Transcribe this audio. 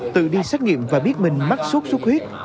tự đi xét nghiệm và biết mình mắc sốt xuất huyết